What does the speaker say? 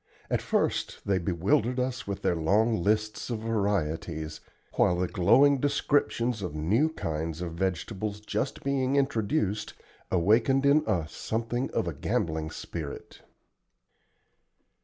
At first they bewildered us with their long lists of varieties, while the glowing descriptions of new kinds of vegetables just being introduced awakened in us something of a gambling spirit.